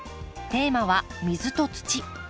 テーマは「水と土」。